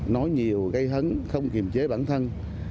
nói nhiều gây hấn không kiềm chế bản thân